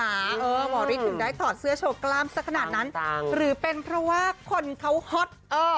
หมอฤทธิ์ถึงได้ถอดเสื้อโชว์กล้ามสักขนาดนั้นหรือเป็นเพราะว่าคนเขาฮอต